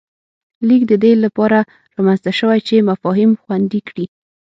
لیک د دې له پاره رامنځته شوی چې مفاهیم خوندي کړي